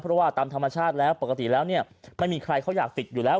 เพราะว่าตามธรรมชาติแล้วปกติแล้วเนี่ยไม่มีใครเขาอยากติดอยู่แล้ว